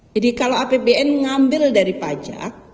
jadi kalau apbn ngambil dari pajak